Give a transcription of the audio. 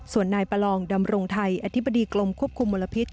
ส่วนนายประลองดำรงไทยอธิบดีกรมควบคุมมลพิษ